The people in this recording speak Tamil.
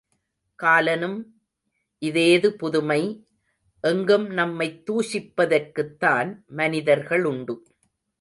காலனும் இதேது புதுமை, எங்கும் நம்மைத் தூஷிப்பதற்குத்தான் மனிதர்களுண்டு.